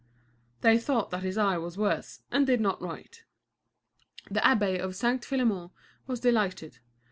They thought that his eye was worse and did not write. The abbé of St. Philémon was delighted.